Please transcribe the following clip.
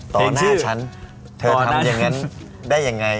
เพลงชื่อต่อหน้าฉันเธอทำอย่างนั้นได้ยังไง